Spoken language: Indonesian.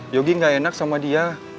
yogi gak enak sama dia